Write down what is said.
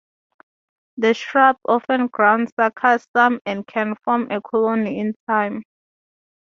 The shrub often ground suckers some and can form a colony in time.